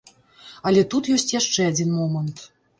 Але тут ёсць яшчэ адзін момант.